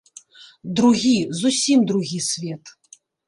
Другі, зусім другі свет.